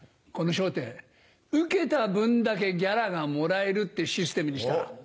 この『笑点』ウケた分だけギャラがもらえるっていうシステムにしたら。